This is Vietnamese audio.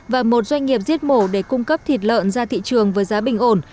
và một doanh nghiệp giết mổ để cung cấp thịt lợn ra thị trường với giá bình ổn